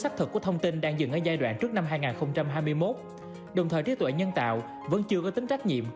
con người vẫn cần thiết